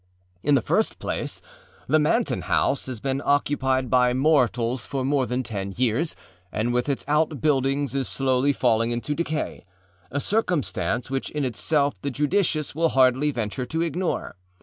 In the first place, the Manton house has been unoccupied by mortals for more than ten years, and with its outbuildings is slowly falling into decayâa circumstance which in itself the judicious will hardly venture to ignore.